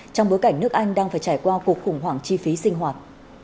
trong bối cảnh nước anh đang phải trải qua cuộc khủng hoảng chi phí sinh hoạt